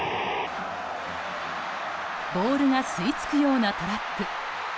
ボールが吸い付くようなトラップ。